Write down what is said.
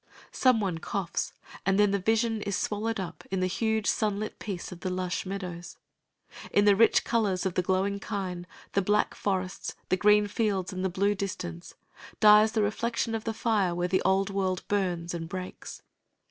Some one coughs, and then the Vision is swallowed up in the huge sunlit peace of the lush meadows. In the rich colors of the glowing kine, the black forests, the green fields and the blue distance, dies the reflection of the fire where the old world burns and breaks.